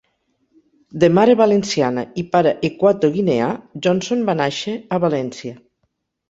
De mare valenciana i pare equatoguineà, Johnson va nàixer a València.